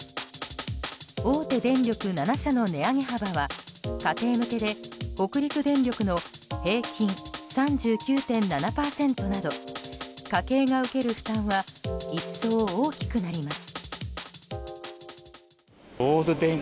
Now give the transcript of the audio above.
大手電力７社の値上げ幅は家庭向けで北陸電力の平均３９．７％など家計が受ける負担は一層大きくなります。